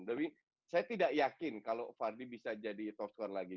tapi saya tidak yakin kalau fadli bisa jadi top score lagi